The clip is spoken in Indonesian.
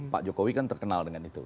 pak jokowi kan terkenal dengan itu